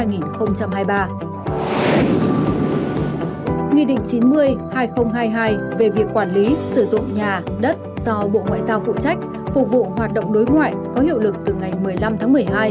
nghị định chín mươi hai nghìn hai mươi hai về việc quản lý sử dụng nhà đất do bộ ngoại giao phụ trách phục vụ hoạt động đối ngoại có hiệu lực từ ngày một mươi năm tháng một mươi hai